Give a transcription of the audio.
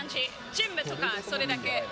ジムとかそれだけ。